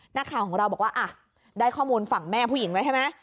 นักข่าวของเราบอกว่าได้ข้อมูลฝั่งแม่ผู้หญิงไว้ใช่ไหม